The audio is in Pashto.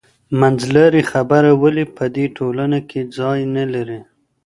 منځلارې خبره ولي په دې ټولنه کي ځای نه لري؟